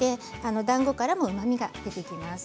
だんごからもうまみが出てきます。